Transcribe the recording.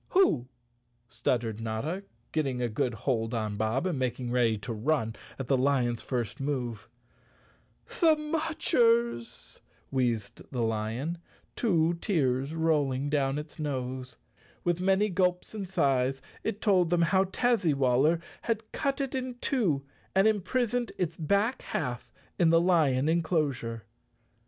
"Who?" stuttered Notta, getting a good hold on Bob and making ready to run at the lion's first move. _ Chapter Seven "The Mudgers," wheezed the lion, two tears rolling down its nose. With many gulps and sighs it told them how Tazzywaller had cut it in two and imprisoned its back half in the lion enclosure.